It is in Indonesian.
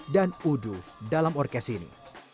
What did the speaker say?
dan uduf dalam orkes ini